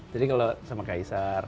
jadi kalau sama kaisar